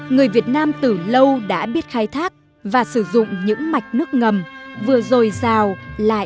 người việt nam từ lâu đã biết khai thác và sử dụng những mạch nước ngầm vừa dồi dào lại vừa trong mát vệ sinh hơn nước ao hồ sông suối